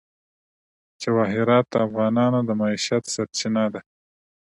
جواهرات د افغانانو د معیشت سرچینه ده.